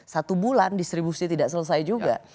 satu bulan distribusi tidak selesai juga